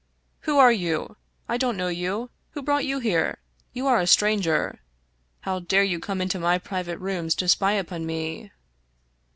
" Who are you ? I don't know you. Who brought you here? You are a stranger. How dare you come into my private rooms to spy upon me